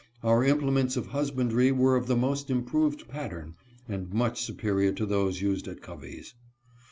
Our implements of husbandry were of the most improved pattern, and much superior to those used at Covey's.